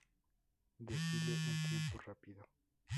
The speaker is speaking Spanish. Desfile en tiempo rápido.